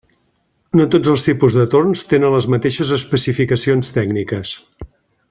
No tots els tipus de torns tenen les mateixes especificacions tècniques.